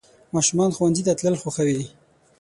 ماشومان ښوونځي ته تلل خوښوي.